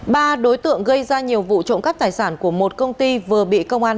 ba đối tượng gây ra nhiều vụ trộm cắp tài sản của một công ty vừa bị công an